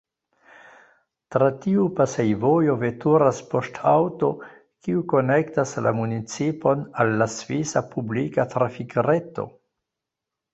Tra tiu pasejvojo veturas poŝtaŭto, kiu konektas la municipon al la svisa publika trafikreto.